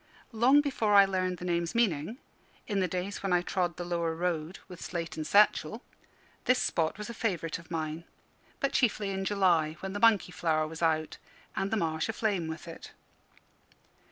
Long before I learnt the name's meaning, in the days when I trod the lower road with slate and satchel, this spot was a favourite of mine but chiefly in July, when the monkey flower was out, and the marsh aflame with it.